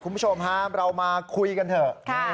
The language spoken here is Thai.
คุณผู้ชมฮะเรามาคุยกันเถอะ